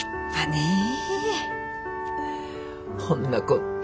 ほんなこって。